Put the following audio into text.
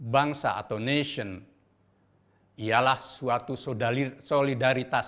bangsa atau nation ialah suatu solidaritas